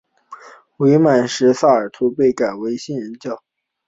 伪满时萨尔图被改为兴仁镇。